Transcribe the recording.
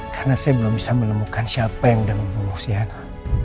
karena saya belum bisa menemukan siapa yang sudah membunuh sienna